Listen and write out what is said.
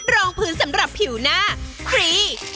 รองพื้นสำหรับผิวหน้าครี